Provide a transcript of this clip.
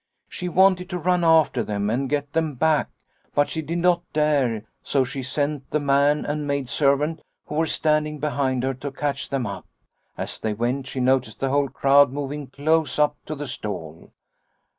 She wanted to run after them and get them back, but she did not dare, so she sent the man and maidservant who were stand ing behind her to catch them up. As they went she noticed the whole crowd moving close up to the stall.